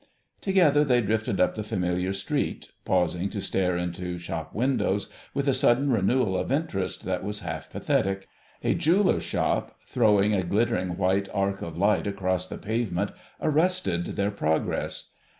Together they drifted up the familiar street, pausing to stare into shop windows with a sudden renewal of interest that was half pathetic. A jeweller's shop, throwing a glittering white arc of light across the pavement arrested their progress.